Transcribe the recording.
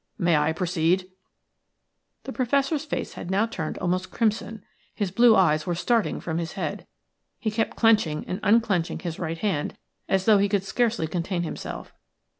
May I proceed?" The Professor's face had now turned almost crimson; his blue eyes were starting from his head; he kept clenching and unclenching his right hand as though he could scarcely contain himself.